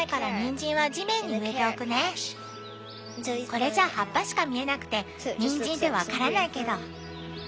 これじゃ葉っぱしか見えなくてにんじんって分からないけど。